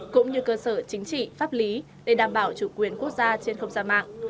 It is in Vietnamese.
cũng như cơ sở chính trị pháp lý để đảm bảo chủ quyền quốc gia trên không gian mạng